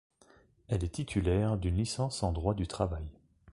Elle est titulaire d'une licence en droit du travail.